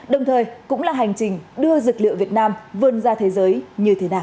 đồng thời cũng là hành trình đưa dược liệu việt nam vươn ra thế giới như thế nào